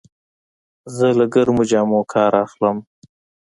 زه له ګرمو جامو کار اخلم.